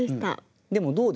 でもどうですか？